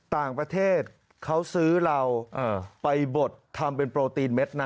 ต่างประเทศเขาซื้อเราไปบดทำเป็นโปรตีนเม็ดนะ